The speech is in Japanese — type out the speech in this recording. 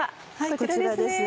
こちらです。